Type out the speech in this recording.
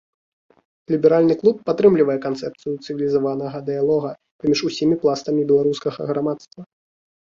Ліберальны клуб падтрымлівае канцэпцыю цывілізаванага дыялога паміж усімі пластамі беларускага грамадства.